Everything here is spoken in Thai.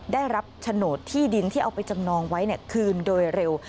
ได้รับโฉนดที่ดินที่เอาไปจำนองไว้คืนโดยเร็ว